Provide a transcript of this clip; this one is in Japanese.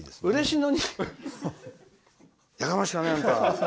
やかましかね、あんた！